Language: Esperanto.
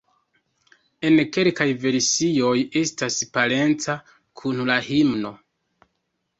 En kelkaj versioj estas parenca kun la himno.